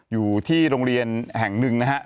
อยู่ที่โรงเรียนแห่งหนึ่งนะฮะ